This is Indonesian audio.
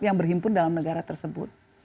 yang berhimpun dalam negara tersebut